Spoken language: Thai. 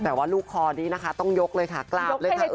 แต่ว่าลูกคอนี้นะคะต้องยกเลยค่ะกราบเลยค่ะ